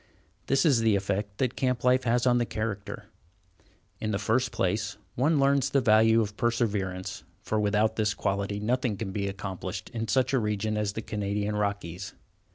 This is the effect that camp life has on the character. In the first place, one learns the value of perseverance, for without this quality nothing can be accomplished in such a region as the Canadian Rockies.